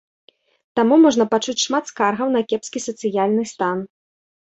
Таму можна пачуць шмат скаргаў на кепскі сацыяльны стан.